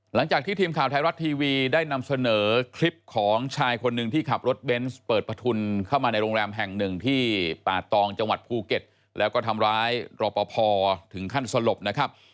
หลังจากที่ทีมข่าวไทยรัฐทีวีได้นำเสนอคลิปของชายคนหนึ่งที่ขับรถเบนส์เปิดประทุนเข้ามาในโรงแรมแห่งหนึ่งที่ป่าตองจังหวัดภูเก็ตแล้วก็ทำร้ายรอปภถึงขั้นสลบนะครับ